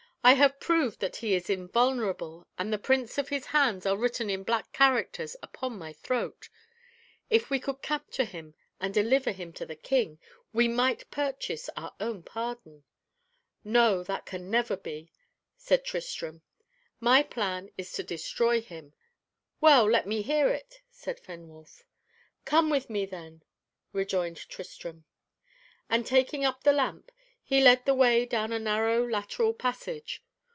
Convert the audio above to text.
"I have proved that he is invulnerable and the prints of his hands are written in black characters upon my throat. If we could capture him, and deliver him to the king, we might purchase our own pardon." "No, that can never be," said Tristram. "My plan is to destroy him." "Well, let me hear it," said Fenwolf. "Come with me, then," rejoined Tristram. And taking up the lamp, he led the way down a narrow lateral passage.